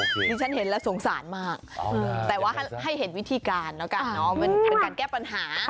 ที่ฉันเห็นแล้วสงสารมากแต่ว่าให้เห็นวิธีการแล้วกันเนาะมันเป็นการแก้ปัญหา